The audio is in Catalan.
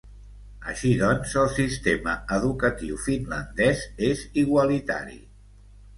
Així doncs, el sistema educatiu finlandès és igualitari.